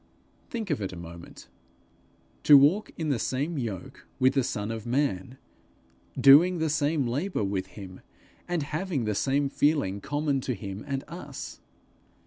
Think of it a moment: to walk in the same yoke with the Son of Man, doing the same labour with him, and having the same feeling common to him and us!